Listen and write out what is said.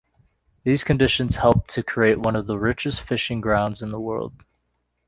These conditions helped to create one of the richest fishing grounds in the world.